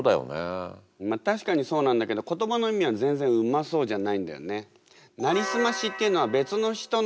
確かにそうなんだけど言葉の意味は全然うまそうじゃないんだよね。